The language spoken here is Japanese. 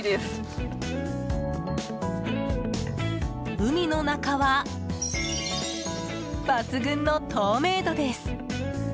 海の中は抜群の透明度です！